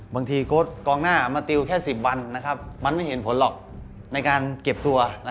โค้ดกองหน้ามาติวแค่๑๐วันมันไม่เห็นผลหรอกในการเก็บตัว